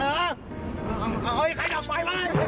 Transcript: เอาอีกไป่ทำไมไม่ใช่ว่ะ